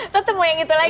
tetep mau yang itu lagi